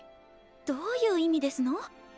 どういう意味ですの？